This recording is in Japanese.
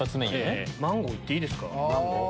マンゴー行っていいですか。